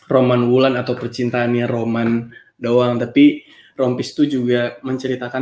roman wulan atau percintaannya roman doang tapi rompis itu juga menceritakan